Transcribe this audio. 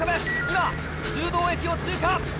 今通洞駅を通過。